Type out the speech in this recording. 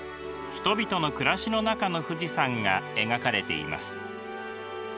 人々の暮らしの中の富士山が描かれています。